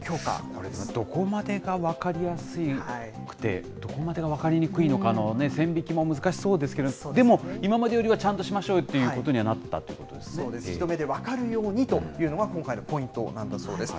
これ、どこまでが分かりやすくて、どこまでが分かりにくいのかの線引きも難しそうですけど、でも、今までよりはちゃんとしましょうよということにはなったというこそうです、一目で分かるようにというのが今回のポイントなんだそうです。